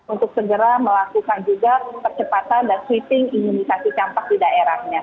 untuk segera melakukan juga percepatan dan sweeping imunisasi campak di daerahnya